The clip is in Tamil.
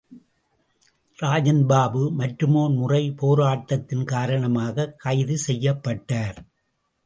ராஜன் பாபு, மற்றுமோர் முறை போராட்டத்தின் காரணமாக கைது செய்யப்பட்டார்.